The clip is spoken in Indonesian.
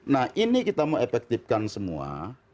nah ini kita mau efektifkan semua